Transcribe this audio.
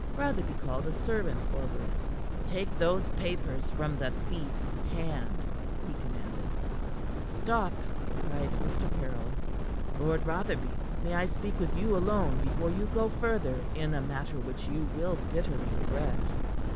Rotherby called a servant forward. "Take those papers from the thief's hand," he commanded. "Stop!" cried Mr. Caryll. "Lord Rotherby, may I speak with you alone before you go further in a matter you will bitterly regret?"